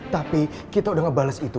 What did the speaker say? tapi kita udah ngebales itu